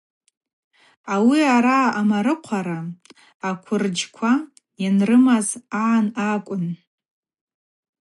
Ауи араъа амахъарыхъвара аквырджьква йанрымаз агӏан акӏвын.